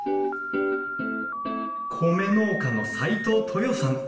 米農家の齋藤トヨさん。